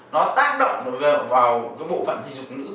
nó tác động vào bộ phận dịch dục nữ